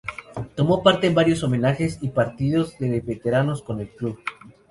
Tomó parte en varios homenajes y partidos de veteranos con el club.